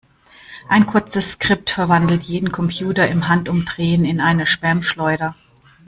Ein kurzes Skript verwandelt jeden Computer im Handumdrehen in eine Spamschleuder.